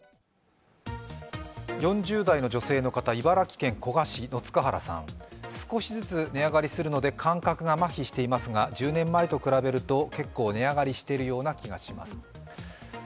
４０代の女性の方、茨城県古河市の塚原さん、少しずつ値上がりするので感覚が麻痺していますが１０年前と比べると結構値上がりしているような気がします。